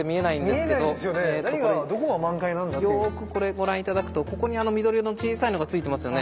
よくこれご覧頂くとここに緑色の小さいのがついてますよね。